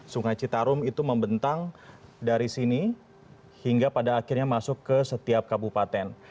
sungai citarum itu membentang dari sini hingga pada akhirnya masuk ke setiap kabupaten